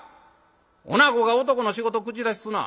おなごが男の仕事口出しすな。